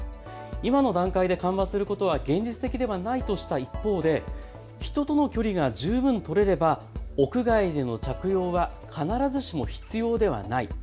今の段階で緩和することは現実的ではないとした一方で人との距離が十分取れれば屋外での着用は必ずしも必要ではない。